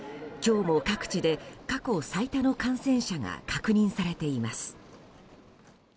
今日も各地で過去最多の感染者が確認されています。